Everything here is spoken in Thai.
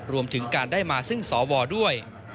รวมถึงการได้มาซึ่งสวด้วย